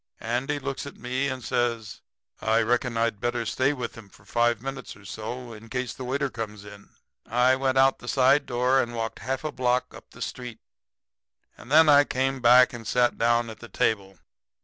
Andy looks at me and says: 'I reckon I'd better stay with him for five minutes or so, in case the waiter comes in.' "I went out the side door and walked half a block up the street. And then I came back and sat down at the table.